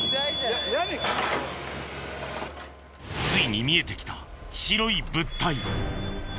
ついに見えてきた白い物体。